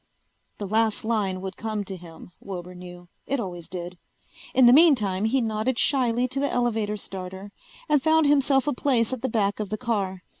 The last line would come to him, Wilbur knew. It always did. In the meantime he nodded shyly to the elevator starter and found himself a place at the back of the car.